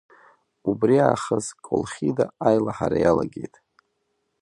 Убри аахыс Колхьида аилаҳара иалагеит.